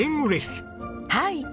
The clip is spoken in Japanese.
はい。